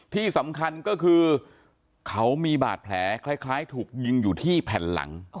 ที่สำคัญก็คือเขามีบาดแผลคล้ายถูกยิงอยู่ที่แผ่นหลัง